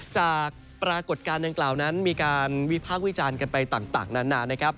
จากปรากฏการณ์ดังกล่าวนั้นมีการวิพากษ์วิจารณ์กันไปต่างนานนะครับ